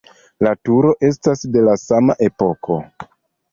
La turo estas de la sama epoko.